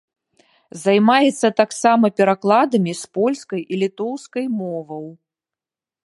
Займаецца таксама перакладамі з польскай і літоўскай моваў.